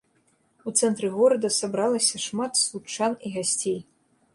У цэнтры горада сабралася шмат случчан і гасцей.